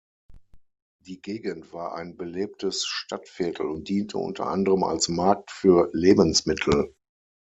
Die Gegend war ein belebtes Stadtviertel und diente unter anderem als Markt für Lebensmittel.